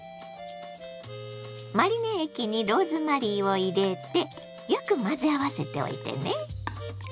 マリネ液にローズマリーを入れてよく混ぜ合わせておいてね。